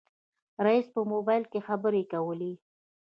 رئيسې په موبایل خبرې کولې.